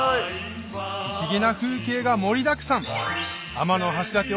不思議な風景が盛りだくさん！